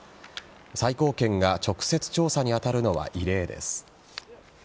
最高検が直接調査に当たるのは異例です。